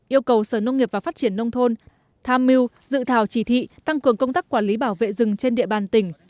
yêu cầu sở nông nghiệp và phát triển nông thôn tham mưu dự thảo chỉ thị tăng cường công tác quản lý bảo vệ rừng trên địa bàn tỉnh